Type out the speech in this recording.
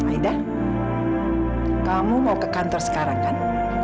aidah kamu mau ke kantor sekarang kan